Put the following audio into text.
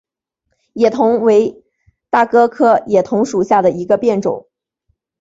野桐为大戟科野桐属下的一个变种。